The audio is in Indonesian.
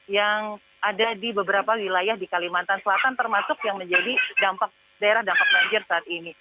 yang ada di beberapa wilayah di kalimantan selatan termasuk yang menjadi daerah dampak banjir saat ini